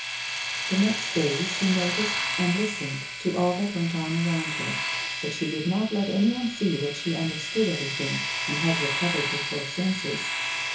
The next day she noticed and listened to all that went on around hei", but she did not let anyone see that she 110 A WOMAN'S LIFE. understood everything and had recovered her full senses.